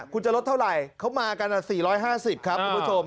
คุณจะลดเท่าไหร่เขามากัน๔๕๐ครับคุณผู้ชม